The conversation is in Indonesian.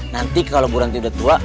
nanti kalau bu ranti udah tua